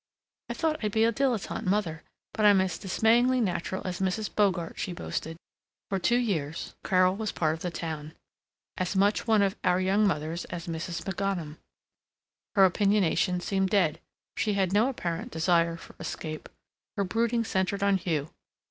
"I thought I'd be a dilettante mother, but I'm as dismayingly natural as Mrs. Bogart," she boasted. For two years Carol was a part of the town; as much one of Our Young Mothers as Mrs. McGanum. Her opinionation seemed dead; she had no apparent desire for escape; her brooding centered on Hugh.